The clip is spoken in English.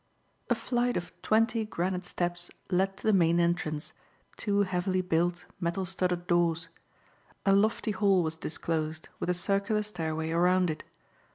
A flight of twenty granite steps led to the main entrance, two heavily built, metal studded doors. A lofty hall was disclosed with a circular stairway around it.